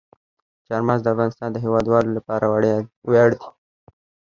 چار مغز د افغانستان د هیوادوالو لپاره ویاړ دی.